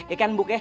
eh kan buk ya